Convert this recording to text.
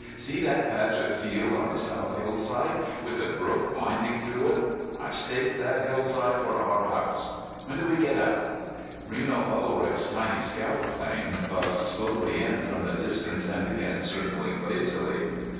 "See that patch of field on the south hillside, with the brook winding through it? I've staked that hillside for our house. When do we get out?" Reno Ulrich's tiny scout plane buzzed slowly in from the distance and began circling lazily.